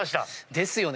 ですよね。